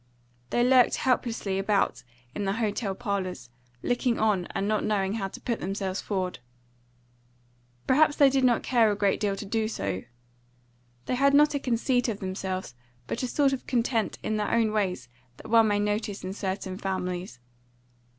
They lurked helplessly about in the hotel parlours, looking on and not knowing how to put themselves forward. Perhaps they did not care a great deal to do so. They had not a conceit of themselves, but a sort of content in their own ways that one may notice in certain families.